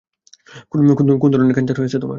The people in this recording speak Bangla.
কোন ধরনের ক্যান্সার হয়েছে তোমার?